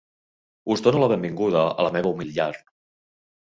Us dono la benvinguda a la meva humil llar.